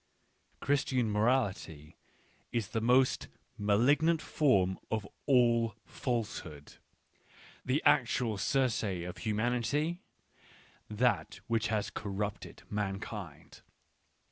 Christian m orality is the, most malignant form of all falsehood^the actual Circeof humanity : that which has corrupted man kind.